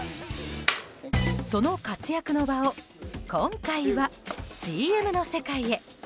その活躍の場を今回はＣＭの世界へ。